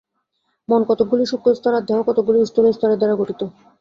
মন কতকগুলি সূক্ষ্ম স্তর আর দেহ কতকগুলি স্থূল স্তরের দ্বারা গঠিত।